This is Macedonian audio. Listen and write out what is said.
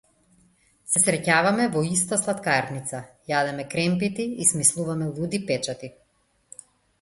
Се среќаваме во иста слаткарница, јадеме кремпити и смислуваме луди печати.